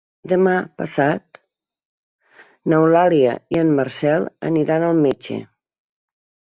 Demà passat n'Eulàlia i en Marcel aniran al metge.